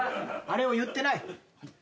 あれを言ってない。もうっ！